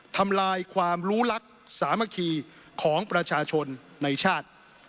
ทำลายความรู้รักสามัคคีของประชาชนในชาติ